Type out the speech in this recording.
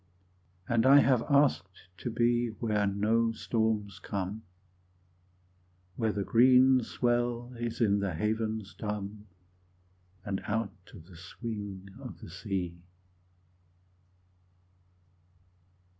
And I have asked to be Where no storms come, Where the green swell is in the havens dumb, And out of the swing of the sea.